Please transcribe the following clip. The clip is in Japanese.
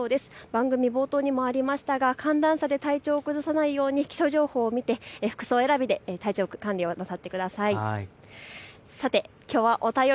番組冒頭にもありましたが寒暖差で体調を崩さないように気象情報を見て服装選びで体調管理をなさってください。